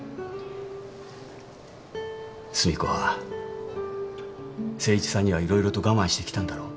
寿美子は誠一さんには色々と我慢してきたんだろう？